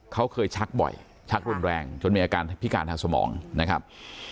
เขาเคยชักบ่อยชักรุนแรงจนมีอาการพิการทางสมองนะครับ